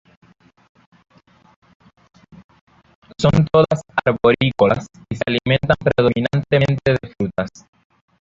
Son todas arborícolas y se alimentan predominantemente de frutas.